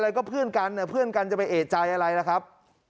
อะไรก็เพื่อนกันเนี่ยเพื่อนกันจะไปเอกใจอะไรล่ะครับ